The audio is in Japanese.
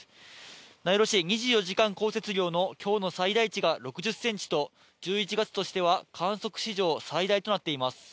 名寄市２４時間降雪量のきょうの最大値が６０センチと、１１月としては観測史上最大となっています。